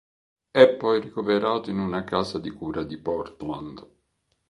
È poi ricoverato in una casa di cura di Portland.